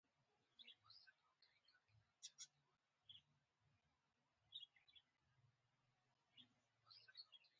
د وینې معاینه د بدن د وضعیت ژبه ده.